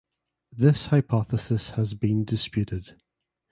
This hypothesis has been disputed.